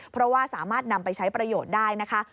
เพราะว่าสามารถนำไปใช้ประโยชน์ได้นะคะ